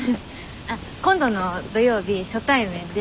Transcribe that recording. あっ今度の土曜日初対面で。